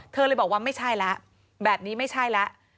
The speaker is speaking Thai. เธอเลยบอกว่าไม่ใช่แล้วแบบนี้ไม่ใช่แล้ว